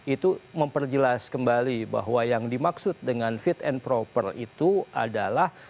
itu memperjelas kembali bahwa yang dimaksud dengan fit and proper itu adalah